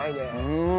うん。